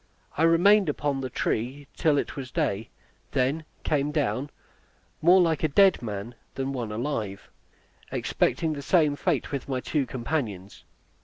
I remained upon the tree till it was day, and then came down, more like a dead man than one alive, expecting the same fate with my two companions.